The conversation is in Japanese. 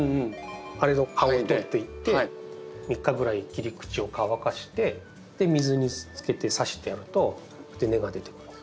あれの葉を取っていって３日ぐらい切り口を乾かして水につけてさしてやると根が出てくるんです。